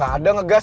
gak ada ngegas